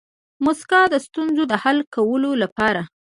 موسکا د ستونزو د حل کولو لپاره